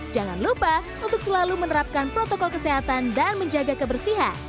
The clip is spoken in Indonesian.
jangan lupa untuk selalu menerapkan protokol kesehatan dan menjaga kebersihan